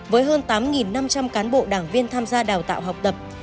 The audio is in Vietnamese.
với hơn tám năm trăm linh cán bộ đảng viên tham gia đào tạo học tập